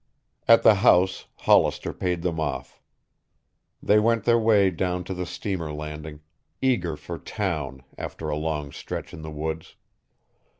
At the house Hollister paid them off. They went their way down to the steamer landing, eager for town after a long stretch in the woods.